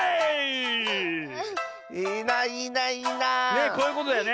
ねえこういうことだよね。